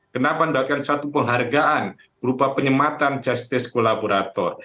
kenapa mendapatkan satu penghargaan berupa penyematan justice kolaborator